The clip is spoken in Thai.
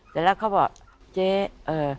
แต่แล้วเขาบอกเจ๊เออ